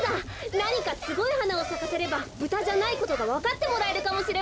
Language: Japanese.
なにかすごいはなをさかせればブタじゃないことがわかってもらえるかもしれません。